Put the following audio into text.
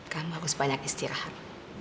kamu harus banyak istirahat